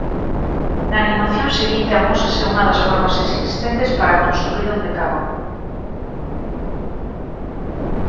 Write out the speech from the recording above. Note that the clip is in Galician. Na animación seguinte amósase unha das formas existentes para construír un decágono.